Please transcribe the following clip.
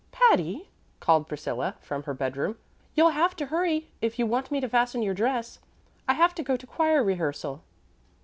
"Patty," called Priscilla, from her bedroom, "you'll have to hurry if you want me to fasten your dress. I have to go to choir rehearsal."